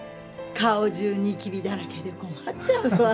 顔中ニキビだらけで困っちゃうわ。